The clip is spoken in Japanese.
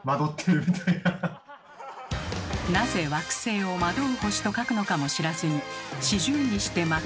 なぜ惑星を「惑う星」と書くのかも知らずに「四十にして惑わず」。